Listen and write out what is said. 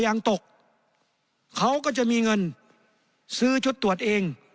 ยางตกเขาก็จะมีเงินซื้อชุดตรวจเอง